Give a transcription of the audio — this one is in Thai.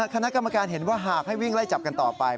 คณะกรรมการเห็นว่าหากให้วิ่งไล่จับกันต่อไป